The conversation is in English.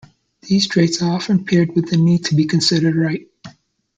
These traits are often paired with the need to be considered "right".